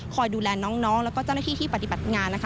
คอยดูแลน้องและเจ้าหน้าที่ที่ปฏิบัติงาน